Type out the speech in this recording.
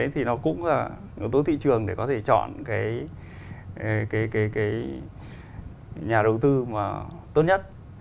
thì nó cũng là yếu tố thị trường để có thể chọn cái nhà đầu tư mà tốt nhất